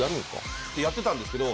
やってたんですけど。